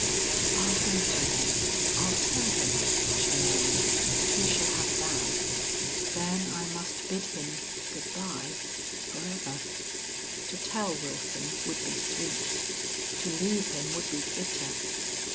"I'll go to him. I'll tell him," she murmured. "He shall have that!... Then I must bid him good by forever!" To tell Wilson would be sweet; to leave him would be bitter.